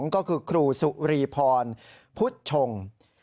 ก็คือครูสุรีพรพุทธชง